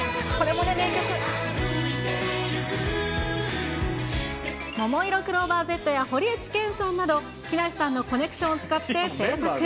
ももいろクローバーＺや堀内健さんなど、木梨さんのコネクションを使って制作。